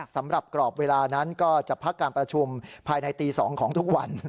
สำหรับกรอบเวลานั้นก็จะพักการประชุมภายในตี๒ของทุกวัน